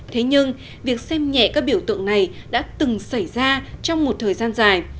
thế nhưng việc xem nhẹ các biểu tượng này đã từng xảy ra trong một thời gian dài